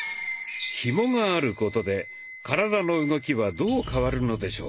ひもがあることで体の動きはどう変わるのでしょうか。